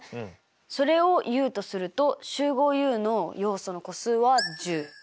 それをＵとすると集合Ｕの要素の個数は１０。